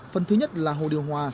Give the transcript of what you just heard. phần thứ nhất là hồ điều hòa